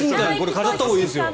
飾ったほうがいいですよ。